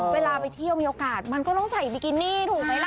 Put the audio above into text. เวลาไปเที่ยวมีโอกาสมันก็ต้องใส่บิกินี่ถูกไหมล่ะ